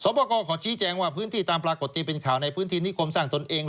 ประกอบขอชี้แจงว่าพื้นที่ตามปรากฏที่เป็นข่าวในพื้นที่นิคมสร้างตนเอง